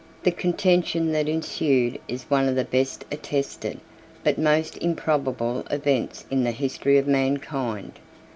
] The contention that ensued is one of the best attested, but most improbable events in the history of mankind.